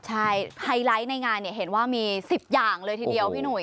ใช่ไฮไลท์ในงานเนี่ยเห็นว่ามี๑๐อย่างเลยทีเดียวพี่หุย